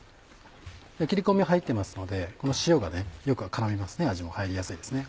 切り込みが入ってますのでこの塩がよく絡みますね味も入りやすいですね。